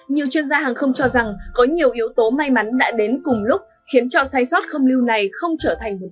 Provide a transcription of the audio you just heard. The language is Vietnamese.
nhiều chuyên gia hàng không cho rằng có nhiều yếu tố may mắn đã đến cùng lúc khiến cho sai sót không lưu này không trở thành một